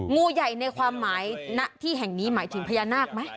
งูใหญ่ในความหมายณที่แห่งนี้หมายถึงพญานาคไหม